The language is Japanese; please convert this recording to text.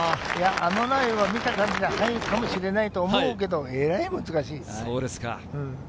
あのラインは見た感じ入るかもしれないと思うけれど、えらい難しい。